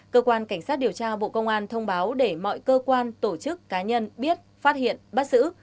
cơ quan cảnh sát điều tra bộ công an thông báo để mọi cơ quan tổ chức cá nhân biết phát hiện bắt xử